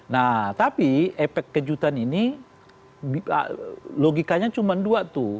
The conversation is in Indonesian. nah tapi efek kejutan ini logikanya cuma dua tuh